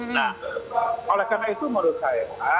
nah oleh karena itu menurut saya